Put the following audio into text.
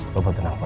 bapak tenang pak